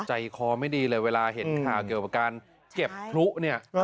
ใจคอไม่ดีเลยเวลาเห็นข่าวเกี่ยวกับการเก็บพลุเนี่ย